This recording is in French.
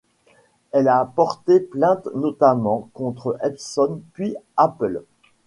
Elle a porté plainte notamment contre Epson puis Apple.